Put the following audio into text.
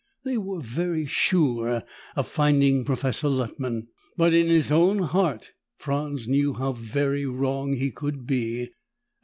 They were very sure of finding Professor Luttman. But in his own heart, Franz knew how very wrong he could be.